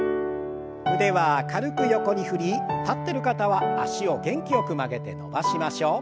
腕は軽く横に振り立ってる方は脚を元気よく曲げて伸ばしましょう。